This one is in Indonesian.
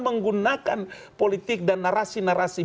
menggunakan politik dan narasi narasi